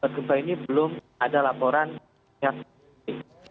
gempa ini belum ada laporan yang